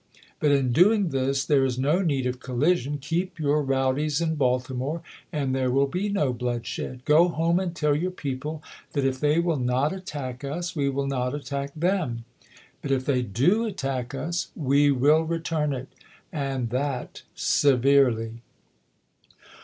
But in doing this, there is no need of collision. Keep your rowdies in Baltimore, and there wiR be no bloodshed. Go home and tell your people that if they will not attack us, we will not attack them ; but if they do attack us, we will return it, and that severely.